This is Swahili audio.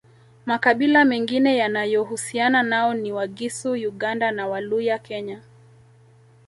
Makabila mengine yanayohusiana nao ni Wagisu Uganda na Waluya Kenya